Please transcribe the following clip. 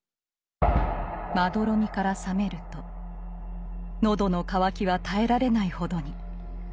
まどろみから覚めると喉の渇きは耐えられないほどに。